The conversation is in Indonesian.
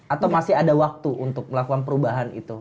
atau masih ada waktu untuk melakukan perubahan itu